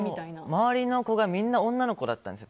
周りの子がみんな女の子だったんです。